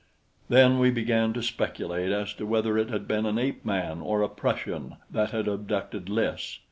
Then we began to speculate as to whether it had been an ape man or a Prussian that had abducted Lys.